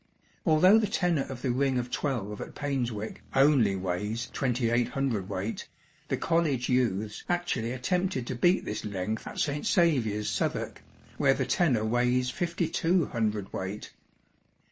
Although the tenor of the ring of twelve at Painswick only weighs twenty eight hundredweight, the College Youths actually attempted to beat this length at St Saviour's, Southwark, where the tenor weighs fifty two hundredweight.